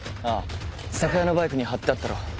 ああ酒屋のバイクに貼ってあったろ。